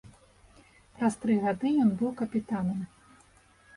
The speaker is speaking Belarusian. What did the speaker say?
Праз тры гады ён быў капітанам.